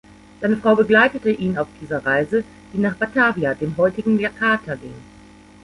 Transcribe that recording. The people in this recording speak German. Seine Frau begleitete ihn auf dieser Reise, die nach "Batavia", dem heutigen Jakarta, ging.